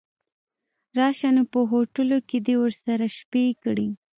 راشه نو په هوټلو کې دې ورسره شپې کړي.